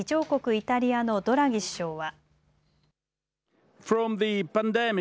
イタリアのドラギ首相は。